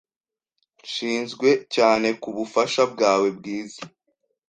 Nshinzwe cyane kubufasha bwawe bwiza.